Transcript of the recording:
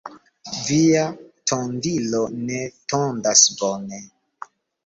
Via tondilo ne tondas bone.